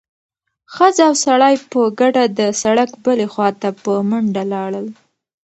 ښځه او سړی په ګډه د سړک بلې خوا ته په منډه لاړل.